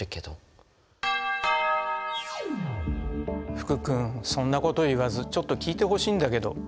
福君そんなこと言わずちょっと聞いてほしいんだけど。